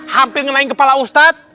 hampir ngenahin kepala ustadz